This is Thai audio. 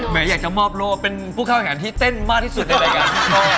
อยากจะมอบโลกเป็นผู้เข้าแข่งขันที่เต้นมากที่สุดในรายการ